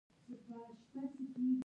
خلک د هغه باغ ته راتلل او خوند یې اخیست.